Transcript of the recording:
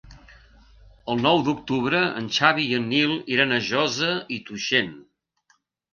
El nou d'octubre en Xavi i en Nil iran a Josa i Tuixén.